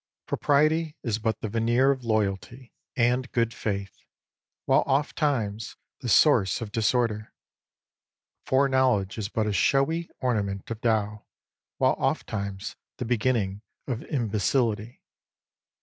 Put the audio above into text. Propriety is but the veneer of loyalty and 25 good faith, while oft times the source of dis order. Foreknowledge is but a showy orna ment of Tao, while oft times the beginning of imbecility.